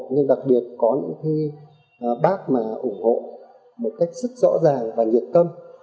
nhưng đặc biệt có những khi bác mà ủng hộ một cách rất rõ ràng và nhiệt tâm